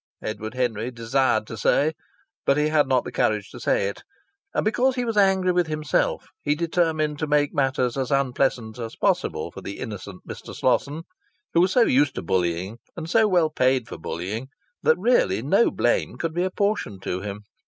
Edward Henry desired to say, but he had not the courage to say it. And because he was angry with himself he determined to make matters as unpleasant as possible for the innocent Mr. Slosson, who was so used to bullying, and so well paid for bullying that really no blame could be apportioned to him.